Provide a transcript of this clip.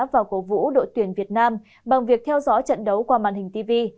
và cổ vũ đội tuyển việt nam bằng việc theo dõi trận đấu qua màn hình tv